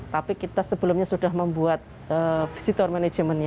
tapi kita sebelumnya sudah membuat visitor managementnya